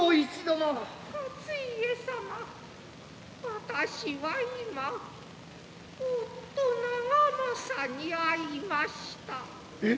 私は今夫長政に会いました。